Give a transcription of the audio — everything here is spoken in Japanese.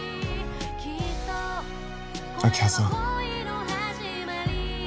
明葉さん